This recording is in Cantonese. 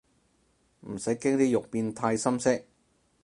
唔使驚啲肉變太深色